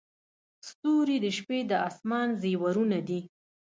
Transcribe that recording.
• ستوري د شپې د اسمان زیورونه دي.